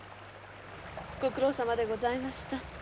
ご苦労さまでございました。